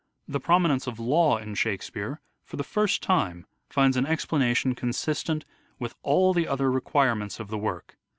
The prominence of law in " Shakespeare " for the first time finds an explanation consistent with all the other requirements of the work.